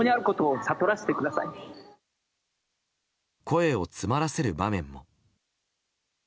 声を詰まらせる場面も。